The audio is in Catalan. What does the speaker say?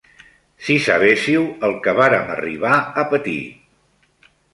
Si sabéssiu el què vàrem arribar a patir